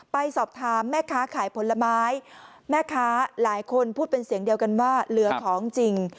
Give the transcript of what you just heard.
ไปสอบถามแม่ค้าขายผลไม้แม่ค้าหลายคนพูดเป็นเสียงเดียวกันว่าเหลือของจริง